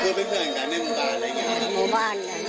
เพื่อเป็นเพื่อนกันให้หมู่บ้าน๘๐๐